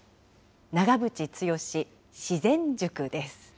長渕剛自然塾です。